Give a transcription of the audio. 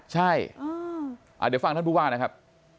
ใช่เดี๋ยวฟังท่านผู้ว่านะครับ